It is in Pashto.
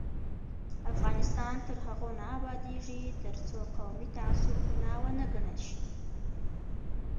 افغانستان تر هغو نه ابادیږي، ترڅو قومي تعصب ګناه ونه ګڼل شي.